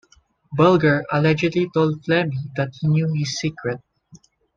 Bulger allegedly told Flemmi that he knew his secret.